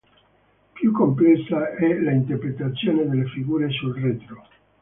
Più complessa è l'interpretazione delle figure sul retro.